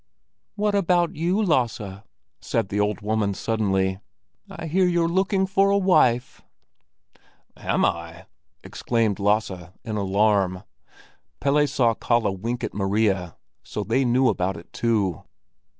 "What about you, Lasse?" said the old woman suddenly, "I hear you're looking about for a wife!" "Am I?" exclaimed Lasse, in alarm. Pelle saw Kalle wink at Maria, so they knew about it too.